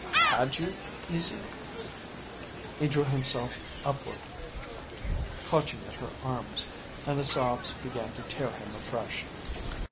"Had you, Izzy?" He drew himself upward, clutching at her arms; and the sobs began to tear him afresh.